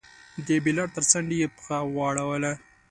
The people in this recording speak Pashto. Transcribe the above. د بېلر تر څنډې يې پښه واړوله.